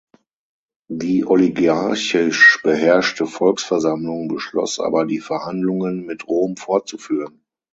Die oligarchisch beherrschte Volksversammlung beschloss aber die Verhandlungen mit Rom fortzuführen.